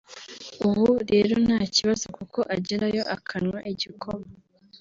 ubu rero nta kibazo kuko agerayo akanywa igikoma